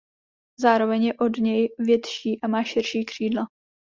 Zároveň je od něj větší a má širší křídla.